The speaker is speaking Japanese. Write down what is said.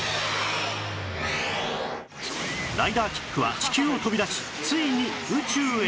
ライダーキックは地球を飛び出しついに宇宙へ！